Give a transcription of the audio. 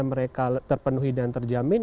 mereka terpenuhi dan terjamin